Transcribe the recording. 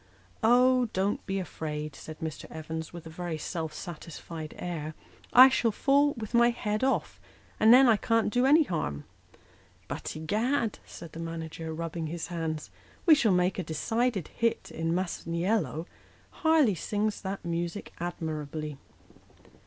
" Oh ! don't be afraid," said Mr. Evans, with a very self satisfied air :" I shall fall with my head ' off,' and then I can't do any harm." " But, egad," said the manager, rubbing his hands, " we shall make a decided hit in ' Masaniello.' Harleigh sings that music admirably."